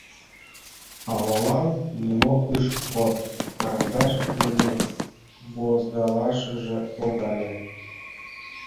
Авалан нимо ыш код — карандаш дене возгалашыже логале.